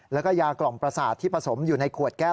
แล้วก็ยากล่องประสาทที่ผสมอยู่ในขวดแก้ว